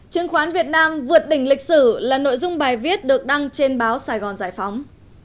chứng khoán việt nam vượt đỉnh lịch sử là nội dung bài viết được đăng trên báo sài gòn giải phóng